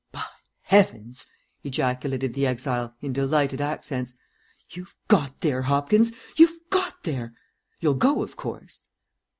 '" "By heavens!" ejaculated the exile, in delighted accents, "you've got there, Hopkins, you've got there. You'll go, of course?"